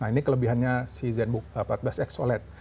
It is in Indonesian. nah ini kelebihannya si zenbook empat belas x oled